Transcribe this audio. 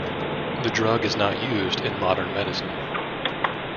The drug is not used in modern medicine.